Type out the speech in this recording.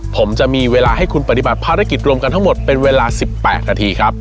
ผมจะมีเวลาให้คุณปฏิบัติภารกิจรวมกันทั้งหมดเป็นเวลา๑๘นาทีครับ